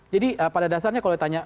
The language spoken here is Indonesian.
jadi pada dasarnya kalau ditanya